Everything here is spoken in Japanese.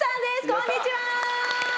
こんにちは。